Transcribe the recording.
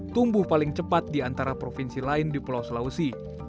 tumbuh paling cepat di antara provinsi lain di pulau sulawesi